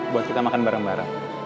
buat kita makan bareng bareng